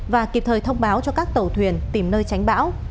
và kịp thời thông báo cho các tàu thuyền tìm nơi tránh bão